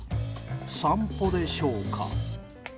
散歩でしょうか。